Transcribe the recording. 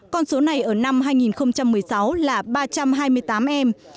con số này ở năm hai nghìn một mươi sáu là ba trăm hai mươi tám em